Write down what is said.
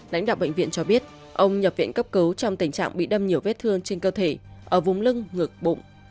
lãnh đạo bệnh viện cho biết ông nhập viện cấp cứu trong tình trạng bị đâm nhiều vết thương trên cơ thể ở vùng lưng ngược bụng